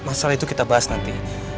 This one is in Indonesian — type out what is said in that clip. masalah itu kita bahas nanti